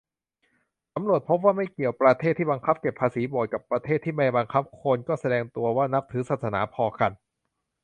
สำรวจพบว่าไม่เกี่ยว ประเทศที่บังคับเก็บภาษีโบสถ์กับประเทศที่ไม่บังคับ คนก็แสดงตัวว่านับถือศาสนาพอกัน